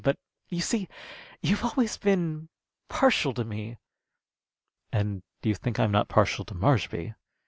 But, you see, you've always been partial to me." "And you think I'm not partial to Marshby?"